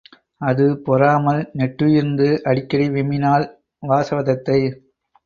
அது பொறாமல் நெட்டுயிர்ந்து அடிக்கடி விம்மினாள் வாசவதத்தை.